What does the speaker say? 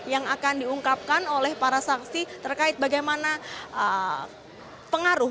yang akan diungkapkan oleh para saksi terkait bagaimana pengaruh